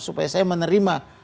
supaya saya menerima